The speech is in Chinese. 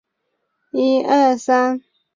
没有多余的位子